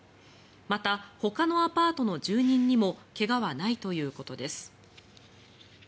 また、ほかのアパートの住人にも怪我はないということです。